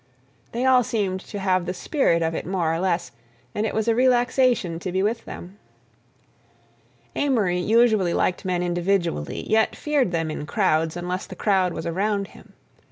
They all seemed to have the spirit of it more or less, and it was a relaxation to be with them. Amory usually liked men individually, yet feared them in crowds unless the crowd was around him.